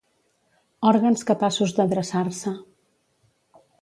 Òrgans capaços de dreçar-se.